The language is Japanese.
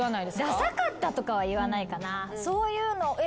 ダサかったとかは言わないかな。